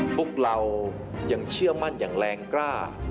พวกเรายังเชื่อมั่นอย่างแรงกล้า